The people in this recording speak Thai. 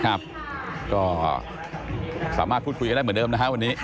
ครับก็สามารถพูดคุยกันได้เหมือนเดิมนะฮะวันนี้